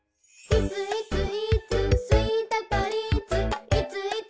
「いついついーつスウィート・トリーツ」